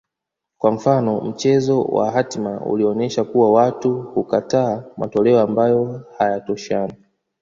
kwa mfano mchezo wa hatima ulionyesha kuwa watu hukataa matoleo ambayo hayatoshani